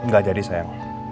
gak jadi sayang